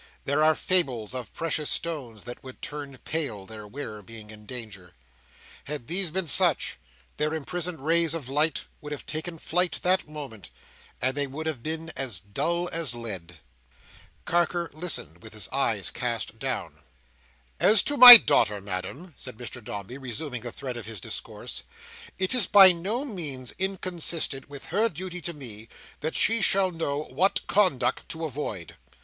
There are fables of precious stones that would turn pale, their wearer being in danger. Had these been such, their imprisoned rays of light would have taken flight that moment, and they would have been as dull as lead. Carker listened, with his eyes cast down. "As to my daughter, Madam," said Mr Dombey, resuming the thread of his discourse, "it is by no means inconsistent with her duty to me, that she should know what conduct to avoid.